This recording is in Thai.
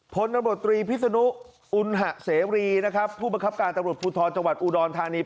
พนบริพิศนุอุณหะเสวีครับผู้บังคับการณ์ตำรวจภูทธอจังหวัดอุดรฑานี